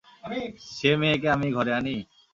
সে-মেয়েকে আমি ঘরে আনি?